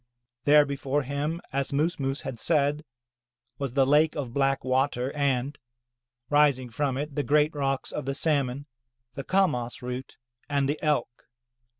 There before him, as Moos Moos had said, was the lake of black water and, rising from it, the giant rocks of the salmon, the kamas root, and the Elk.